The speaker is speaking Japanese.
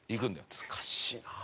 難しいなあ。